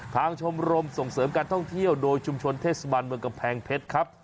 ชมรมส่งเสริมการท่องเที่ยวโดยชุมชนเทศบาลเมืองกำแพงเพชรครับ